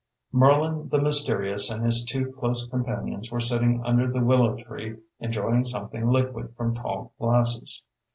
Merlin the mysterious and his two close companions were sitting under the willow tree enjoying something liquid from tall glasses.